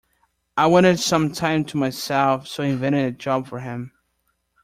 I wanted some time to myself, so I invented a job for him.